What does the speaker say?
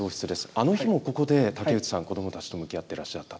あの日もここで武内さん、子どもたちと向き合ってらっしゃった。